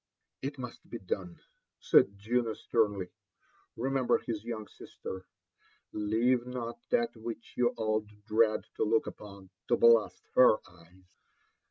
" It must be done," said Juno sternly. " Remember his young sister : leave not that which you all dread to look upon, to blast her eyes."